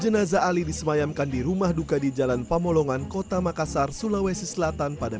jenazah ali disemayamkan di rumah duka di jalan pamolongan kota makassar sulawesi selatan pada